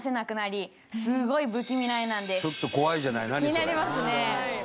気になりますね。